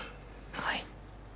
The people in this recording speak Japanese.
はい。